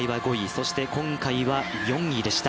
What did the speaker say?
そして今回は４位でした。